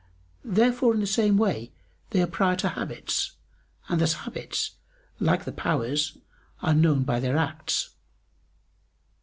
Therefore in the same way they are prior to habits; and thus habits, like the powers, are known by their acts.